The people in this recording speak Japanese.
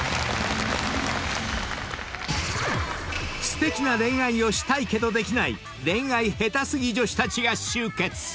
［すてきな恋愛をしたいけどできない恋愛ヘタすぎ女子たちが集結！